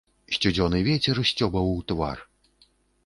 Студзёны вецер сцёбаў у твар.